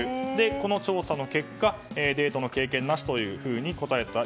この調査の結果デートの経験なしと答えた